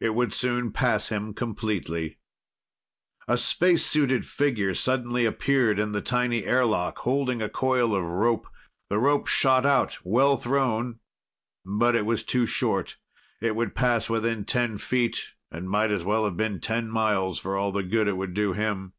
It would soon pass him completely. A spacesuited figure suddenly appeared in the tiny airlock, holding a coil of rope. The rope shot out, well thrown. But it was too short. It would pass within ten feet and might as well have been ten miles for all the good it would do him.